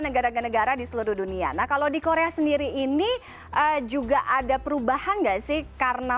negara negara di seluruh dunia nah kalau di korea sendiri ini juga ada perubahan nggak sih karena